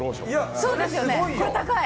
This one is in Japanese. そうですよね、これ高い。